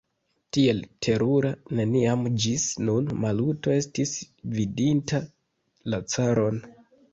Tiel terura neniam ĝis nun Maluto estis vidinta la caron.